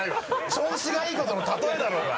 調子がいいことのたとえだろうが！